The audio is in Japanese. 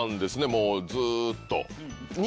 もうずっと。